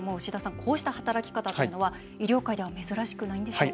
こうした働き方というのは医療界では珍しくないんでしょうか？